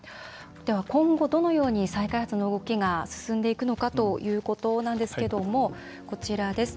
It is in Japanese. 今後どのように再開発の動きが進んでいくのかということなんですけどもこちらです。